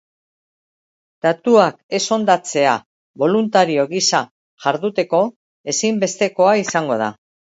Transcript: Datuak ez hondatzea boluntario gisa jarduteko ezinbestekoa izango da.